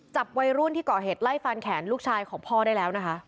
จับวัยรุ่นที่ก่อเหตุไล่ฟันแขนลูกชายของพ่อได้แล้วนะคะ